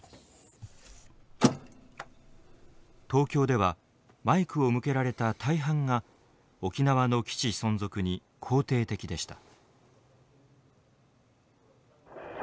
東京ではマイクを向けられた大半が沖縄の基地存続に肯定的でした。